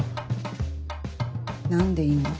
何でいんの？